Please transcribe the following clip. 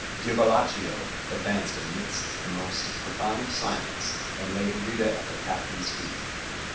Diavolaccio advanced amidst the most profound silence, and laid Rita at the captain's feet.